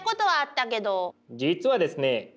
実はですね